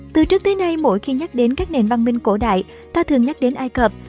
từ trước tới nay mỗi khi nhắc đến các nền văn minh cổ đại ta thường nhắc đến ai cập